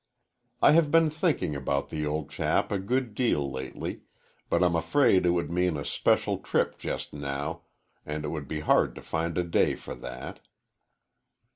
I have been thinking about the old chap a good deal lately, but I'm afraid it would mean a special trip just now, and it would be hard to find a day for that."